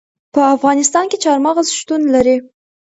په افغانستان کې چار مغز شتون لري.